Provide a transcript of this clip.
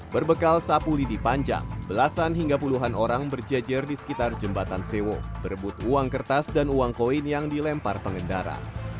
berbekal sapu lidi panjang belasan hingga puluhan orang berjejer di sekitar jembatan sewo berebut uang kertas dan uang koin yang dilempar pengendara